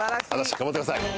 頑張ってください。